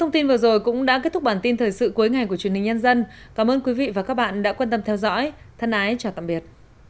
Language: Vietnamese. thân ái chào tạm biệt